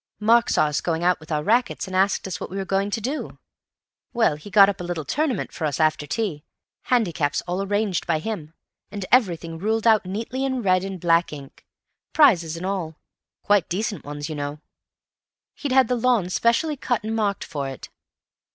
Mark saw us going out with our rackets and asked us what we were going to do. Well, he'd got up a little tournament for us after tea—handicaps all arranged by him, and everything ruled out neatly in red and black ink—prizes and all—quite decent ones, you know. He'd had the lawn specially cut and marked for it.